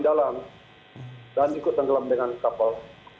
dan ikut tenggelam dengan kapal